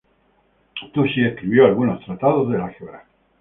Tusi escribió algunos tratados de álgebra.